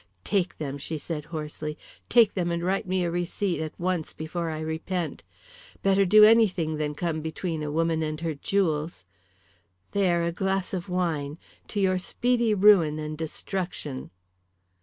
"Take them," she said hoarsely; "take them and write me a receipt at once before I repent. Better do anything than come between a woman and her jewels. There, a glass of wine. To your speedy ruin and destruction."